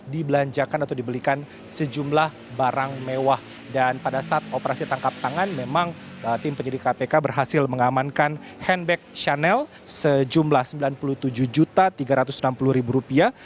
dibelanjakan atau dibelikan sejumlah barang mewah dan pada saat operasi tangkap tangan memang tim penyidik kpk berhasil mengamankan handback chanel sejumlah sembilan puluh tujuh tiga ratus enam puluh rupiah